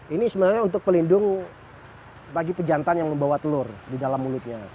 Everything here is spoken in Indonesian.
ini sebenarnya untuk pelindung bagi pejantan yang membawa telur di dalam mulutnya